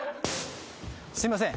すいません。